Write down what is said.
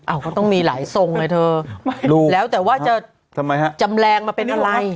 ก็ต้องมีหลายทรงเลยเธอไม่รู้แล้วแต่ว่าจะทำไมฮะจำแรงมาเป็นอะไร